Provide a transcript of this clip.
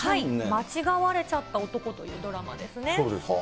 間違われちゃった男というドそうです。